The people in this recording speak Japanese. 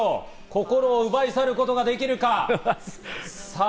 心を奪い去ることができるか？